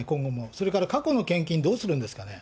それから過去の献金どうするんですかね。